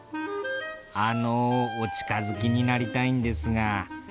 「あのお近づきになりたいんですが」。